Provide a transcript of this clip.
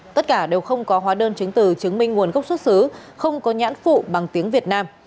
tất cả đều không có hóa đơn chứng từ chứng minh nguồn gốc xuất xứ không có nhãn phụ bằng tiếng việt nam